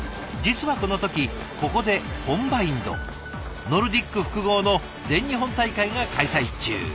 実はこの時ここでコンバインドノルディック複合の全日本大会が開催中。